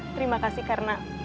terima kasih karena